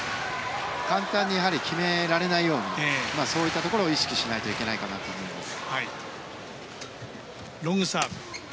簡単に決められないようにそういったところを意識しないといけないかなと思います。